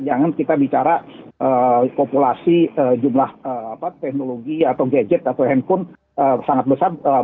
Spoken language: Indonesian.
jangan kita bicara populasi jumlah teknologi atau gadget atau handphone sangat besar